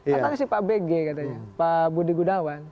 katanya sih pak bg katanya pak budi gunawan